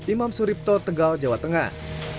imam suripto tegal jawa tengah